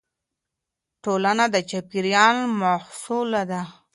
ټولنه د چاپېريال محصول ده.